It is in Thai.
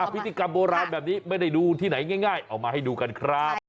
พิธีกรรมโบราณแบบนี้ไม่ได้ดูที่ไหนง่ายเอามาให้ดูกันครับ